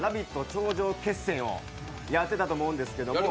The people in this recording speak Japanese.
頂上決戦をやってたと思うんですけど。